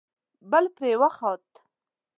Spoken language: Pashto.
بل پرې وخوت.